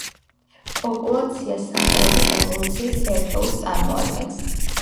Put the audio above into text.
პოპულაცია სახეობის ევოლუციის ერთეულს წარმოადგენს.